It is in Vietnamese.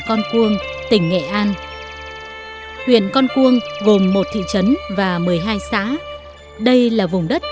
con cuông tỉnh nghệ an huyện con cuông gồm một thị trấn và một mươi hai xã